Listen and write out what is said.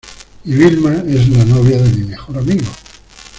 y Vilma es la novia de mi mejor amigo.